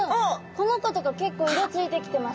この子とか結構色ついてきてます